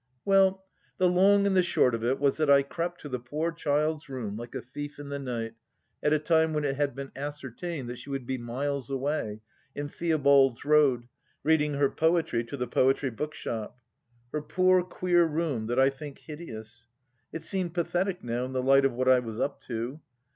Well, the long and the short of it was that I crept to the poor child's room like a thief in the night, at a time when it had been ascertained that she would be miles away, in Theobald's Road, reading her poetry to the Poetry Bookshop. Her poor queer room, that I think hideous ! It seemed pathetic now in the light of what I was up to.